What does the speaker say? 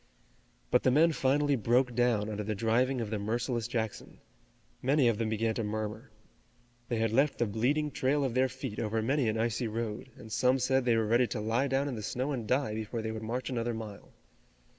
But the men finally broke down under the driving of the merciless Jackson. Many of them began to murmur. They had left the bleeding trail of their feet over many an icy road, and some said they were ready to lie down in the snow and die before they would march another mile.